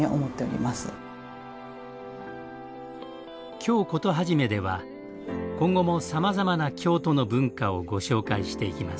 「京コトはじめ」では今後もさまざまな京都の文化をご紹介していきます。